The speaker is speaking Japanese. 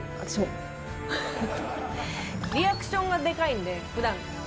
リアクションがでかいんで、ふだんから。